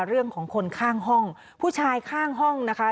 เรื่องของคนข้างห้องผู้ชายข้างห้องนะคะ